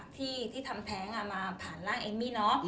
ที่ทำแท้งมาผ่านร่างเอมมี่เนอะ